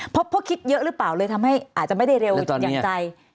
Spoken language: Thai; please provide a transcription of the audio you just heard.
เพราะคิดเยอะหรือเปล่าเลยทำให้อาจจะไม่ได้เร็วอย่างใจ